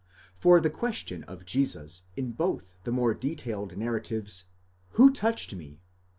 For the question of Jesus in both the more detailed narratives ris 6 ἁψάμενός pov; who touched me?